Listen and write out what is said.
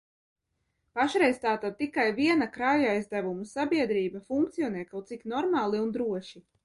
Pašreiz tātad tikai viena krājaizdevumu sabiedrība funkcionē kaut cik normāli un droši.